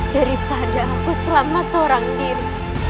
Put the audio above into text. daripada aku selamat seorang diri